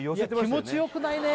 いや気持ちよくないね